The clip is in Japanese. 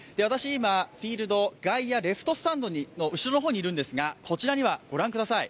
今、フィールド外野レフトスタンドの後ろの方にいるんですが、こちらにはご覧ください。